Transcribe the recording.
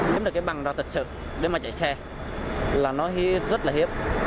nhưng mà cái bằng ra thật sự để mà chạy xe là nó rất là hiếp